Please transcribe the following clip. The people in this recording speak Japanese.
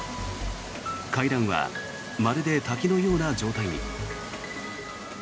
階段はまるで滝のような状態に。